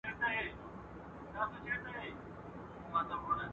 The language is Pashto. هسی نه چي را ته په قار یا لږ ترلږه خوابدي سي `